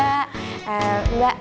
selamat siang mbak